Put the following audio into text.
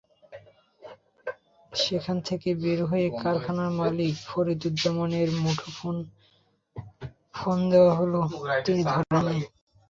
সেখান থেকে বের হয়ে কারখানার মালিক ফরিদুজ্জামানের মুঠোফোনে ফোন দেওয়া হলে তিনি ধরেননি।